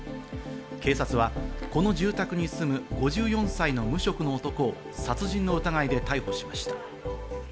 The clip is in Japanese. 警察はこの住宅に住む５４歳の無職の男を殺人の疑いで逮捕しました。